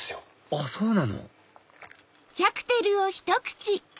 あっそうなの？